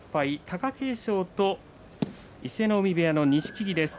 貴景勝と伊勢ノ海部屋の錦木です。